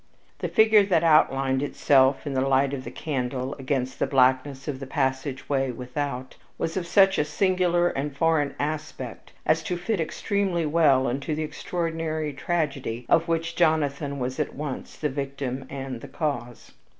The figure that outlined itself in the light of the candle, against the blackness of the passageway without, was of such a singular and foreign aspect as to fit extremely well into the extraordinary tragedy of which Jonathan was at once the victim and the cause.